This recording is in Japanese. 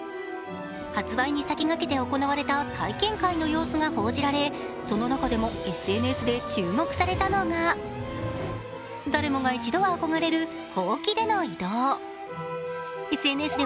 発売に先駆けて行われた体験会の様子が報じられその中でもＳＮＳで注目されたのが、誰もが一度は憧れるほうきでの移動。